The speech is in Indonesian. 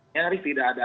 nyaris tidak ada